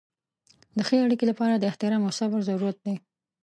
د ښې اړیکې لپاره د احترام او صبر ضرورت دی.